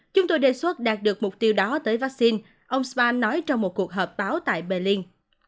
chúng tôi đề xuất đạt được mục tiêu đó tới vaccine ông svan nói trong một cuộc họp báo tại belling